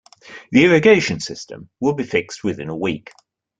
The irrigation system will be fixed within a week.